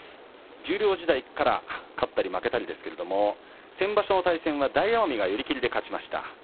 十両時代から勝ったり負けたりですけれど先場所の対戦は大奄美が寄り切りで勝ちました。